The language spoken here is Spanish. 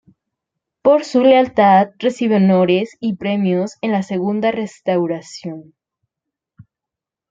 Por su lealtad recibe honores y premios en la Segunda Restauración.